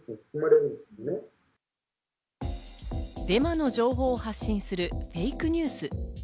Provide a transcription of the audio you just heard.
デマの情報を発信するフェイクニュース。